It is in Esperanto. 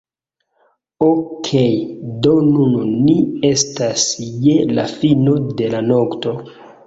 Okej do nun ni estas je la fino de la nokto